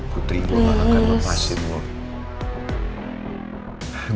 putri gue gak akan lepasin lo